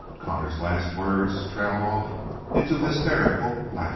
Connor's last words trailed off into hysterical laughter.